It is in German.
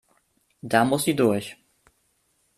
Da muss sie durch!